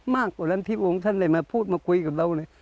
มากกว่านั้นที่องค์ท่านเลยมาพูดมาคุยกับเราเลย